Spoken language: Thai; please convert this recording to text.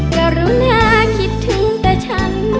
ก็รู้น่าคิดถึงแต่ฉัน